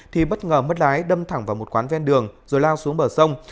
thì bất ngờ mất lái đâm thẳng vào một quán ven đường rồi lao xuống bờ sông